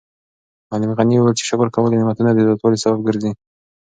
معلم غني وویل چې شکر کول د نعمتونو د زیاتوالي سبب ګرځي.